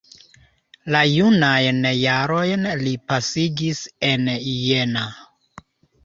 La junajn jarojn li pasigis en Jena.